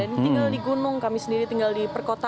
ada yang tinggal di gunung kami sendiri tinggal di perkotaan